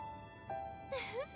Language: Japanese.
ウフフ。